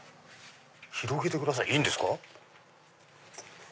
「広げてください」いいんですか？